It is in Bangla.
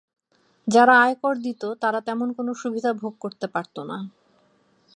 যারা আয়কর দিত তারা তেমন কোন সুবিধা ভোগ করতে পারত না।